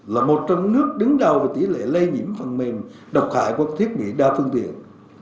là một trong nước đứng đầu về tỷ lệ lây nhiễm phần mềm độc hại qua thiết bị đa phương tiện